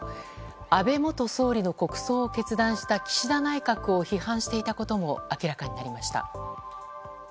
安倍元総理の国葬を決断した岸田内閣を批判していたことも明らかになりました。